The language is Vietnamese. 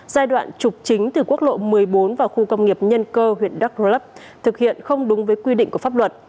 giai đoạn trục chính từ quốc lộ một mươi bốn vào khu công nghiệp nhân cơ huyện đắk rơ lấp thực hiện không đúng với quy định của pháp luật